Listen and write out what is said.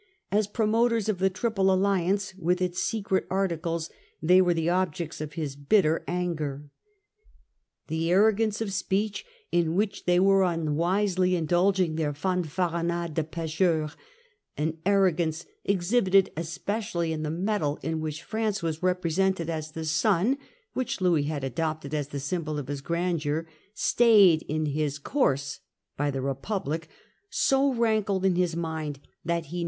As promoters of the Triple Alliance with its secret articles they were the objects of his bitter anger. The arrogance of speech in which they were unwisely indulging, their \ fanfaronnades deptcheurs *— an arrogance exhibited especially in a medal in which France was represented as the sun (which Louis had adopted as the symbol of his grandeur) stayed in his course by the Republic— so rankled in his mind that he 1668. L&uis and Charles .